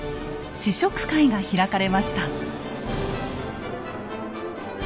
試食会が開かれました。